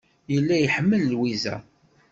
Yella iḥemmel Lwiza.